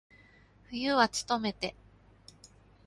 冬はつとめて。